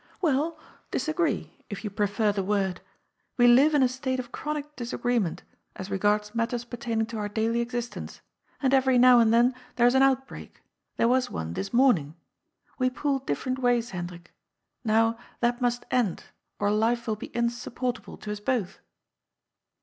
" Well, ' disagree,' if you prefer the word. We liye in a state of chronic disagreement as regards matters pertaining to our daily existence. And every now and then there is an outbreak. There was one this morning. We pull different ways, Hendrik. Now, that must end, or life will be insup portable to us both."